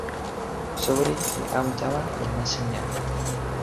soweli li awen tawa lon nasin jan.